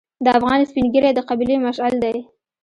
د افغان سپین ږیری د قبیلې مشعل دی.